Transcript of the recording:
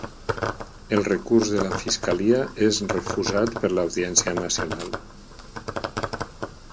El recurs de la fiscalia és refusat per l'Audiència Nacional.